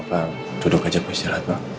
pak duduk saja di sejarah pak